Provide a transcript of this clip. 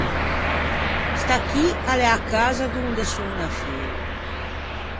Sta chì a l’é a casa donde son nasciuo.